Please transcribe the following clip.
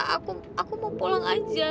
aku aku mau pulang aja